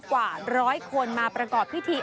กว่าร้อยคนมาประกอบพิธี